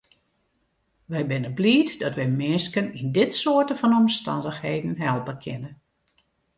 Wy binne bliid dat wy minsken yn dit soarte fan omstannichheden helpe kinne.